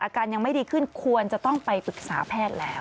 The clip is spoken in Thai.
อาการยังไม่ดีขึ้นควรจะต้องไปปรึกษาแพทย์แล้ว